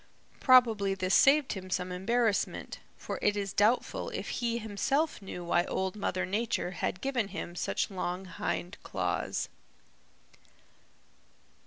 Probably this saved him some embarrassment, for it is doubtful if he himself knew why Old Mother Nature had given him such long hind claws.